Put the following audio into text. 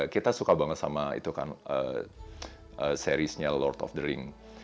kita suka banget sama itu kan seriesnya lord of the ring